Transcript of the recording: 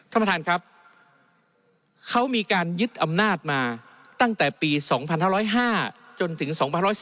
ท่านประธานครับเขามีการยึดอำนาจมาตั้งแต่ปี๒๕๐๕จนถึง๒๑๔